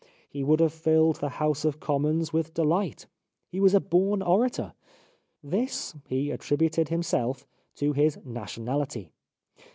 He would have filled the House of Commons with delight. He was a born orator. This he attri buted himself to his nationaUty.